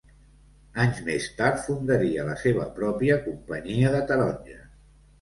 Anys més tard fundaria la seva pròpia companyia de taronges.